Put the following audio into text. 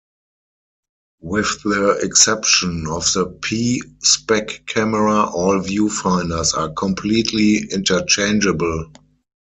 With the exception of the "P" spec camera, all viewfinders are completely interchangeable.